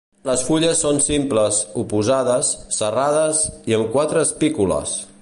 Les fulles són simples, oposades, serrades i amb quatre espícules.